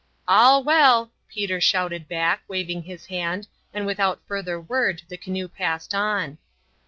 "All well," Peter shouted back, waving his hand, and without further word the canoe passed on.